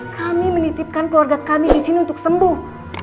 kami menitipkan keluarga kami izin untuk sembuh